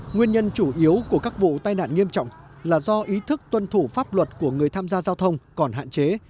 nguyên nhân chủ yếu của các vụ tai nạn nghiêm trọng là do ý thức tuân thủ pháp luật của người tham gia giao thông còn hạn chế